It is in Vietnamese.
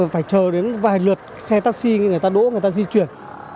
phải chờ đến vài lượt xe taxi người ta đỗ người ta di chuyển